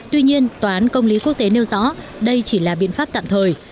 tuy nhiên tòa án công lý quốc tế nêu rõ đây chỉ là biện pháp tạm thời